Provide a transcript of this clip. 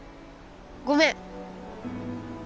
ごめん。